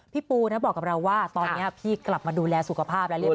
ปูนะบอกกับเราว่าตอนนี้พี่กลับมาดูแลสุขภาพแล้วเรียบ